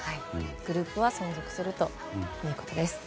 グループは存続するということです。